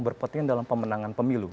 berpertihan dalam pemenangan pemilu